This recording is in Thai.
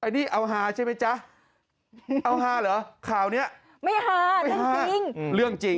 อันนี้เอาฮาใช่ไหมจ๊ะเอาฮาเหรอข่าวนี้ไม่ฮาจริงเรื่องจริง